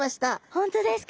本当ですか？